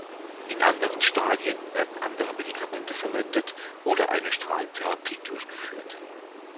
In anderen Stadien werden andere Medikamente verwendet oder eine Strahlentherapie durchgeführt.